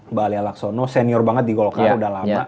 mbak alia laksono senior banget di golkar udah lama